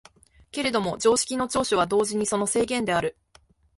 けれども常識の長所は同時にその制限である。